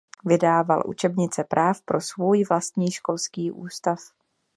Vydával učebnice práv pro svůj vlastní školský ústav.